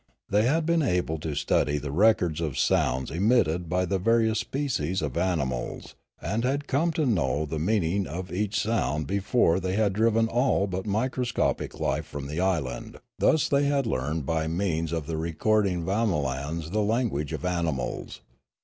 They had been able to study the records of sounds emitted by the various species of animals and had come to know the meaning of each 252 Limanora sound before they had driven all but microscopic life from the island; thus they had learned by means ot the recording vamolans the language of animals.